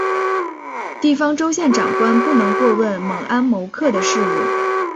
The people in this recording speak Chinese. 地方州县长官不能过问猛安谋克的事务。